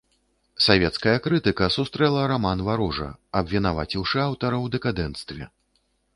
Савецкая крытыка сустрэла раман варожа, абвінаваціўшы аўтара ў дэкадэнцтве.